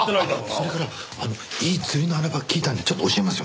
それからいい釣りの穴場聞いたんでちょっと教えますよ。